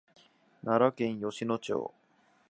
奈良県吉野町